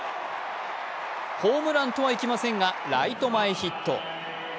ホームランとはいきませんがライト前ヒット。